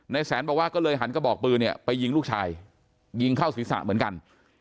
แสนบอกว่าก็เลยหันกระบอกปืนเนี่ยไปยิงลูกชายยิงเข้าศีรษะเหมือนกัน